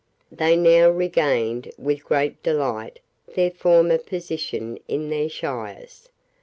They now regained with great delight their former position in their shires.